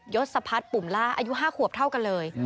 ศพัฒน์ปุ่มล่าอายุ๕ขวบเท่ากันเลย